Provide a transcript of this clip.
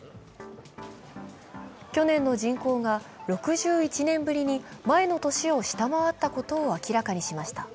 去年の人口が６１年ぶりに前の年を下回ったことを明らかにしました。